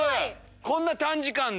こんな短時間で。